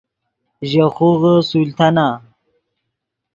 ژے خوغے سلطانہ